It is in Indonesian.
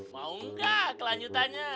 mau nggak kelanjutannya